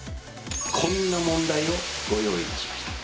こんな問題をご用意いたしました。